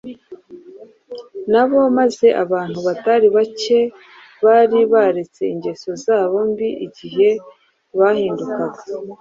na bo maze abantu batari bake bari bararetse ingeso zabo mbi igihe bahindukaga,